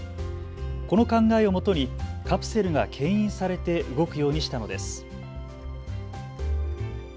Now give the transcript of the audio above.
この考えをもとにカプセルがけん引されて動くようにしたのです。